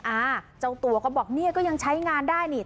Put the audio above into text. อ่าเจ้าตัวก็บอกเนี่ยก็ยังใช้งานได้นี่